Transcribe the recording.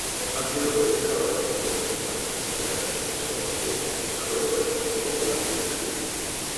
ადგილობრივი მთავრობა ცდილობს მიმართოს ენის გადარჩენის ღონისძიებებს, მოსახლეობაში მისი პოპულაციის გზით.